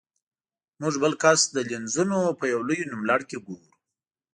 موږ بل کس د لینزونو په یو لوی نوملړ کې ګورو.